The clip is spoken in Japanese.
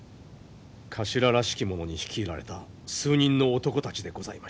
頭らしき者に率いられた数人の男たちでございました。